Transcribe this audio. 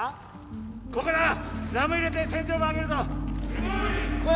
ここだラムを入れて天井板上げるぞ・了解！